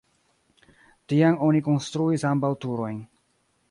Tiam oni konstruis ambaŭ turojn.